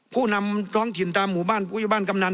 ผู้นำท้องถิ่นตามหมู่บ้านผู้อยู่บ้านกำนัน